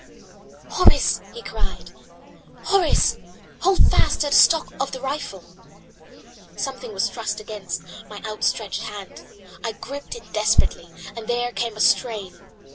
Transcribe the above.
"Horace," he cried, "Horace, hold fast to the stock of the rifle." Something was thrust against my outstretched hand. I gripped it despairingly, and there came a strain.